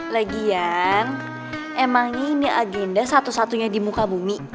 lagian emangnya ini agenda satu satunya di muka bumi